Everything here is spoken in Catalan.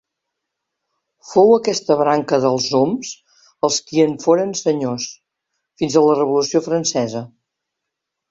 Fou aquesta branca dels d'Oms els qui en foren senyors fins a la Revolució Francesa.